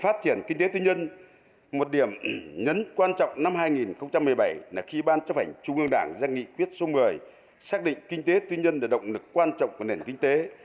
phát triển kinh tế tư nhân một điểm nhấn quan trọng năm hai nghìn một mươi bảy là khi ban chấp hành trung ương đảng ra nghị quyết số một mươi xác định kinh tế tư nhân là động lực quan trọng của nền kinh tế